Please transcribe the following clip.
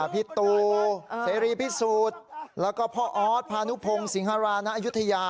พี่ตูเสรีพิสูจน์แล้วก็พ่อออสพานุพงศิงฮาราณอายุทยา